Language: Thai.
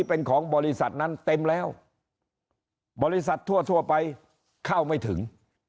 เป็นของบริษัทนั้นเต็มแล้วบริษัททั่วไปเข้าไม่ถึง